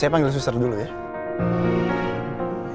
saya panggil suster dulu ya